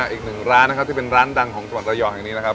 อีกหนึ่งร้านนะครับที่เป็นร้านดังของจังหวัดระยองแห่งนี้นะครับ